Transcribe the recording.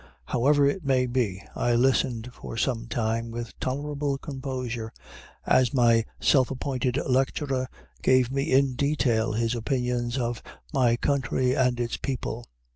However it may be, I listened for some time with tolerable composure as my self appointed lecturer gave me in detail his opinions of my country and its people.